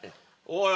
おい